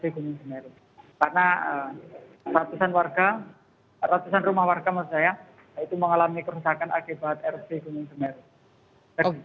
karena ratusan rumah warga mengalami kerusakan akibat erupsi gunung gemeru